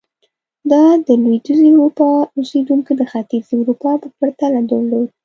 دا د لوېدیځې اروپا اوسېدونکو د ختیځې اروپا په پرتله درلود.